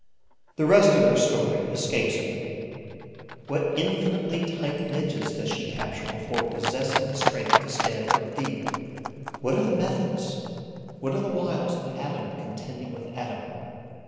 The rest of her story escapes me. What infinitely tiny Midges does she capture before possessing the strength to stab her Bee? What are the methods, what the wiles of atom contending with atom?